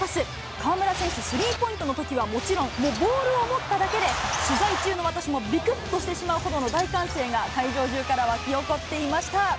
河村選手、スリーポイントのときはもちろん、ボールを持っただけで取材中の私もびくっとしてしまうほどの大歓声が会場中から沸き起こっていました。